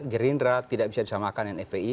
gerindra tidak bisa disamakan dengan fpi